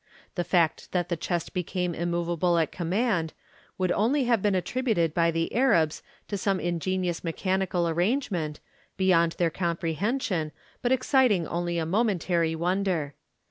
The fact that the chest became immoveable at command would only have been attributed by the Arabs to some ingenious mechanical arrange ment, beyond their comprehension, but exciting only a momentary wonder.